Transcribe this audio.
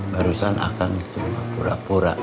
barusan akan diterima pura pura